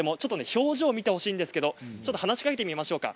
表情を見てほしいんですけれど話しかけてみましょうか。